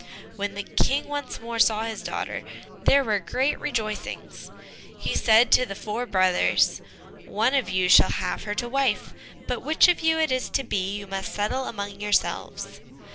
When the King once more saw his daughter, there were great rejoicings. He said to the four brothers, "One of you shall have her to wife, but which of you it is to be you must settle among yourselves."